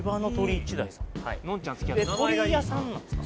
はい鶏屋さんなんですか？